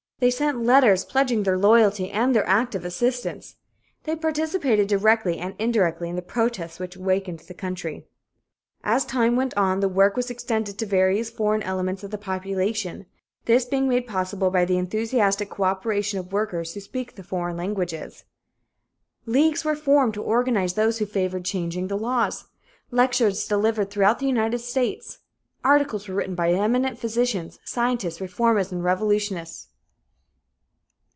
They sent letters pledging their loyalty and their active assistance. They participated directly and indirectly in the protest which awakened the country. As time went on, the work was extended to various foreign elements of the population, this being made possible by the enthusiastic cooperation of workers who speak the foreign languages. Leagues were formed to organize those who favored changing the laws. Lectures were delivered throughout the United States. Articles were written by eminent physicians, scientists, reformers and revolutionists.